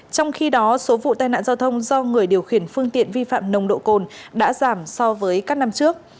trong khi đó số vụ tai nạn giao thông do người điều khiển phương tiện vi phạm nồng độ cồn đã giảm so với các năm trước